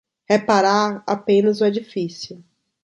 Reparar apenas o edifício